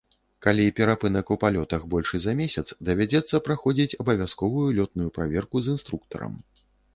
Калі перапынак у палётах большы за месяц, давядзецца праходзіць абавязковую лётную праверку з інструктарам.